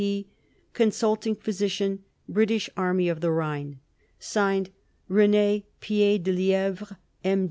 C.P. Consulting Physician, British Army of the Rhine /s/ RENE PIEDELIEVRE M.